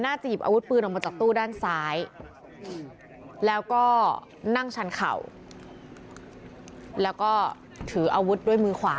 หยิบอาวุธปืนออกมาจากตู้ด้านซ้ายแล้วก็นั่งชันเข่าแล้วก็ถืออาวุธด้วยมือขวา